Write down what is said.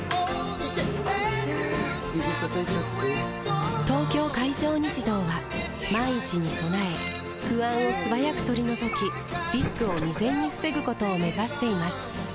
指たたいちゃって・・・「東京海上日動」は万一に備え不安を素早く取り除きリスクを未然に防ぐことを目指しています